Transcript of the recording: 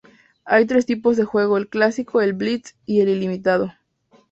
Hay tres tipos de juego: el clásico; el blitz y el ilimitado.